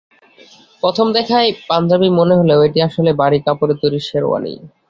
প্রথম দেখায় পাঞ্জাবি মনে হলেও এটি আসলে ভারী কাপড়ে তৈরি শেরওয়ানি।